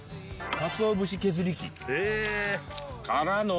かつお節削り器。からの。